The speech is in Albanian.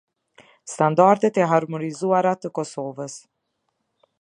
Standardet e harmonizuara të Kosovës.